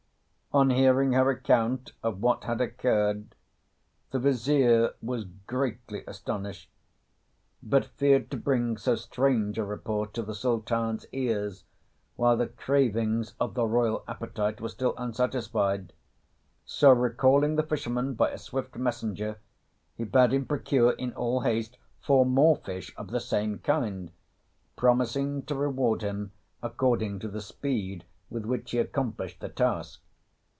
] On hearing her account of what had occurred, the Vizier was greatly astonished, but feared to bring so strange a report to the Sultan's ears while the cravings of the royal appetite were still unsatisfied; so recalling the fisherman by a swift messenger, he bade him procure in all haste four more fish of the same kind, promising to reward him according to the speed with which he accomplished the task.